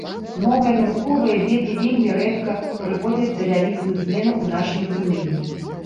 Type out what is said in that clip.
Новыя навуковыя веды вельмі рэдка прыводзяць да вялізных змен у нашым разуменні.